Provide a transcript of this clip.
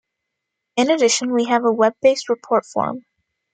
In addition we have a web-based report form.